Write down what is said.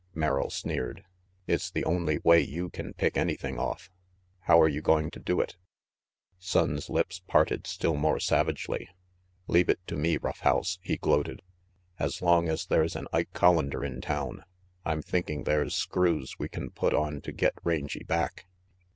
Merrill sneered, "it's the only way you can pick anything off. How're you going to do it?" Sonnes' lips parted still more savagely. RANGY PETE 235 "Leave it to me, Rough House," he gloated. "As long as there's an Ike Collander in town, I'm thinking there's screws we can put on to get Rangy back.